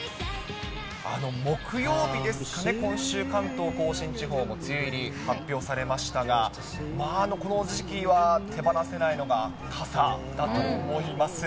木曜日ですかね、今週、関東甲信地方も梅雨入り、発表されましたが、この時期は手放せないのが傘だと思います。